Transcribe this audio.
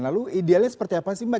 lalu idealnya seperti apa sih mbak